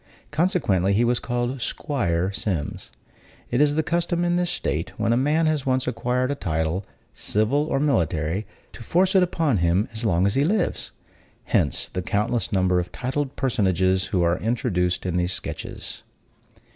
consequently, he was called 'Squire Sims. It is the custom in this state, when a man has once acquired a title, civil or military, to force it upon him as long as he lives; hence the countless number of titled personages who are introduced in these sketches.